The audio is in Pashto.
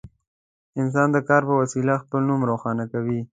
انسان د کار په وسیله خپل نوم روښانه کوي.